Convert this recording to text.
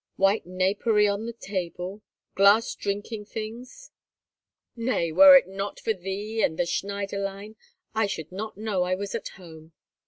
White napery on the table; glass drinking things;—nay, were it not for thee and the Schneiderlein, I should not know I was at home."